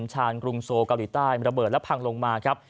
ชานกรุงโซเกาหลีใต้ระเบิดและพังลงมาครับ